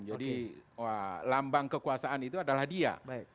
jadi lambang kekuasaan itu adalah dia